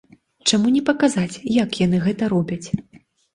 Чаму не паказаць, як яны гэта робяць?